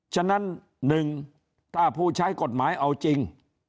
ฉะนั้น๑ถ้าผู้ใช้กฎหมายเอาจริง